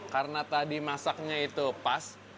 karena tadi masaknya itu pas